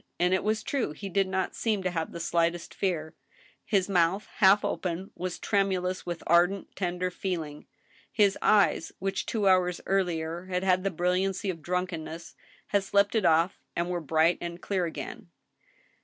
And it was true he did not seem to have the slightest fear. His mouth, half open, was tremulous Mrith ardent, tender feeling. His eyes, which two hours earlier had had the brilliancy of drunkenness, had slept it off, and were bright and clear again.